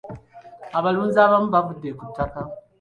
Abalunzi abamu baavudde ku ttaka.